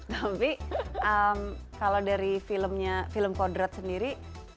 tapi kalau dari film kodrat sendiri